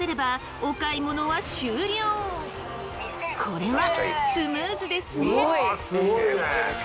これはスムーズですね！